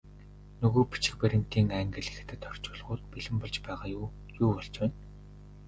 Нөгөө бичиг баримтын англи, хятад орчуулгууд бэлэн болж байгаа юу, юу болж байна?